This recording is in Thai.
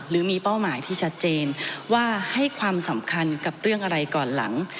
หรือมีเป้าหมายที่ชัดเจนว่าให้ความสำคัญกับเรื่องอะไรก่อนหลัง